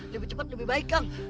lebih cepat lebih baik kang